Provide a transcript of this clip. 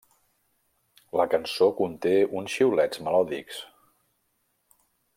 La cançó conté uns xiulets melòdics.